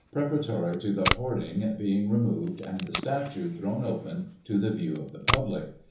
preparatory to the hoarding being removed, and the statue thrown open to the view of the public.